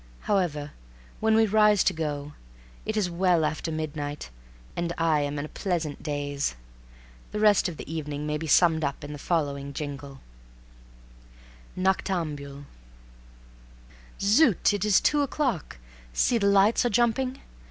However, when we rise to go, it is well after midnight, and I am in a pleasant daze. The rest of the evening may be summed up in the following jingle: Noctambule Zut! it's two o'clock. See! the lights are jumping.